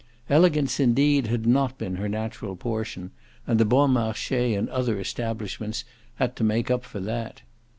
Elegance indeed had not been her natural portion, and the Bon Marche and other establishments had to make up for that.